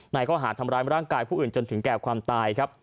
ข้อหาดทำร้ายร่างกายผู้อื่นจนถึงแก่ความตายครับ